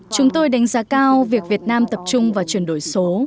chúng tôi đánh giá cao việc việt nam tập trung vào chuyển đổi số